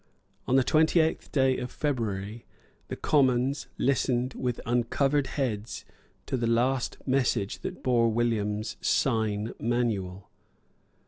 On the twenty eighth of February the Commons listened with uncovered heads to the last message that bore William's sign manual.